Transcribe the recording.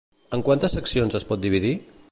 En quantes seccions es pot dividir?